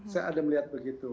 saya ada melihat begitu